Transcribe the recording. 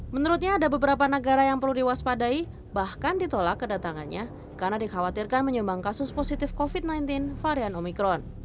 menurutnya ada beberapa negara yang perlu diwaspadai bahkan ditolak kedatangannya karena dikhawatirkan menyumbang kasus positif covid sembilan belas varian omikron